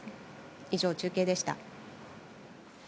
以上、中継でした。